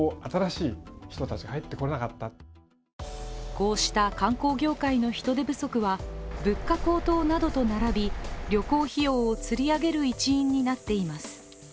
こうした観光業界の人手不足は物価高騰などと並び旅行費用をつり上げる一因になっています。